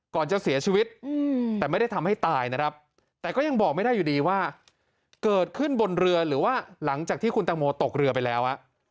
ก็ตกเรือไปแล้ว